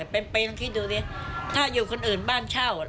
เป็นปีต้องคิดดูดิถ้าอยู่คนอื่นบ้านเช่า